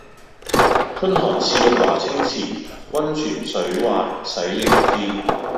春寒賜浴華清池，溫泉水滑洗凝脂。